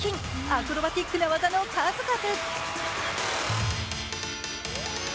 アクロバティックな技の数々。